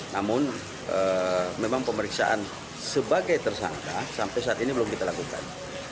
namun memang pemeriksaan sebagai tersangka sampai saat ini belum kita lakukan